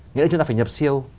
nghĩa là chúng ta phải nhập siêu